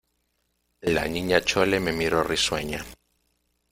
la Niña Chole me miró risueña: